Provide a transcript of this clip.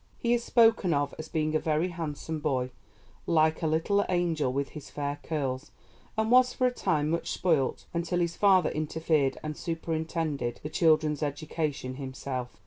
He is spoken of as being a very handsome boy, "like a little angel with his fair curls," and was for a time much spoilt until his father interfered and superintended the children's education himself.